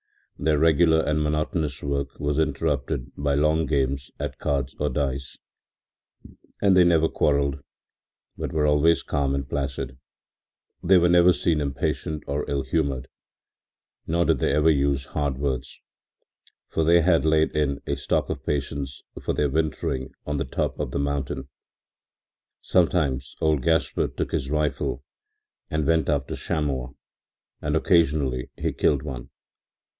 Their regular and monotonous work was interrupted by long games at cards or dice, and they never quarrelled, but were always calm and placid. They were never seen impatient or ill humored, nor did they ever use hard words, for they had laid in a stock of patience for their wintering on the top of the mountain. Sometimes old Gaspard took his rifle and went after chamois, and occasionally he killed one.